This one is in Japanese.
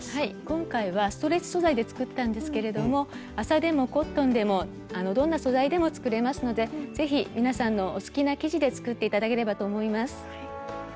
今回はストレッチ素材で作ったんですけれども麻でもコットンでもどんな素材でも作れますので是非皆さんのお好きな生地で作って頂ければと思います。